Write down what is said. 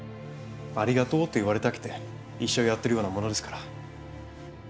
「ありがとう」と言われたくて医者をやっているようなものですから。